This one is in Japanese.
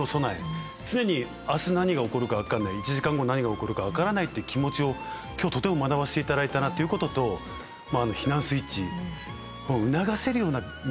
常に明日何が起こるか分かんない１時間後何が起こるか分からないって気持ちを今日とても学ばせて頂いたなっていうことと避難スイッチを促せるような人間にならなきゃいけないですね。